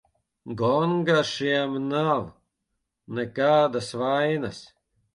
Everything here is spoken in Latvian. Gonga šiem nav, nekādas vainas.